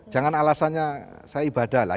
jangan alasannya saya ibadah lah